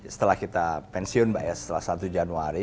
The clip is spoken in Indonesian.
setelah kita pensiun mbak ya setelah satu januari